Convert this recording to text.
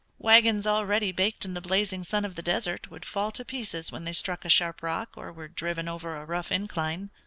Wagons already baked in the blazing sun of the desert would fall to pieces when they struck a sharp rock or were driven over a rough incline.